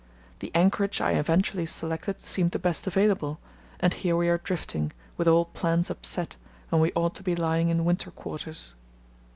The anchorage I eventually selected seemed the best available—and here we are drifting, with all plans upset, when we ought to be lying in winter quarters."